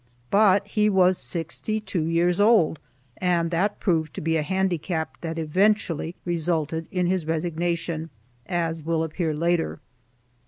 But he was sixty two years old, and that proved to be a handicap that eventually resulted in his resignation, as will appear later.